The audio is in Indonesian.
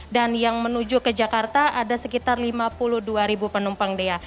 dan yang menuju ke jakarta ada sekitar lima puluh dua penumpang dea